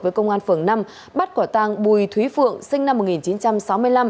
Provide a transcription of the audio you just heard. với công an phường năm bắt quả tàng bùi thúy phượng sinh năm một nghìn chín trăm sáu mươi năm